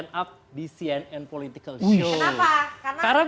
kami siap makan